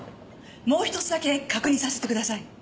もう１つだけ確認させてください。